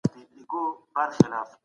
تیر کال واکمن خپله ولکه ټینګه کړې وه.